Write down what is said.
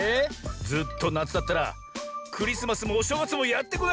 ずっとなつだったらクリスマスもおしょうがつもやってこないぜ。